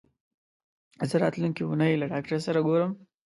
زه راتلونکې اونۍ له ډاکټر سره ګورم.